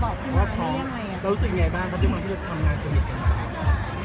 ทางนี้นะ